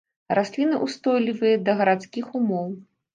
Расліны ўстойлівыя да гарадскіх умоў.